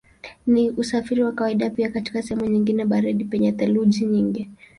Ni usafiri wa kawaida pia katika sehemu nyingine baridi penye theluji nyingi.